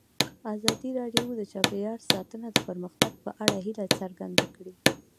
ازادي راډیو د چاپیریال ساتنه د پرمختګ په اړه هیله څرګنده کړې.